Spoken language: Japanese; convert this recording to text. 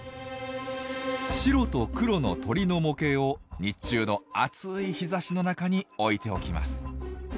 白と黒の鳥の模型を日中の暑い日ざしの中に置いておきます。